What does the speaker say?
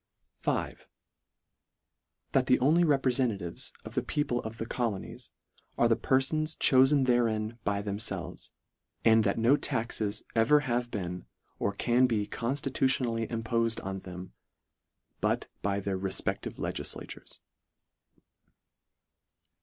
V. " That the only reprefentatives of the people of the colonies, are the perfons cho fen therein by themfelves ; and that no taxes ever have been, or can be conStitution ally impofed on them, but by their refpe&ive legiilatures."